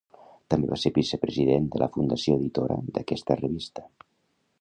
També va ser vicepresident de la Fundació editora d'aquesta revista.